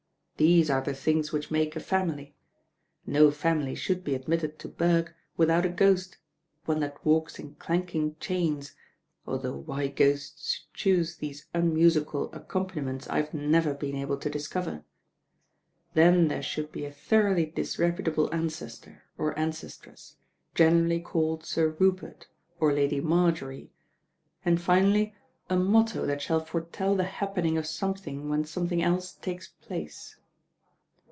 These are the things which make a Family. No family should be admitted 9f THE RAIN GIRL to Burke without a ghost, one that walks in clai king chains, although why ghosts should choose these un musical accompaniments I've never been able to discover. Then there should be a thoroughly dis reputable ancestor, or ancestress, generally called Sir Rupert, or Lady Marjorie, and finally a motto that shall foretell the happening of something when something else takes place."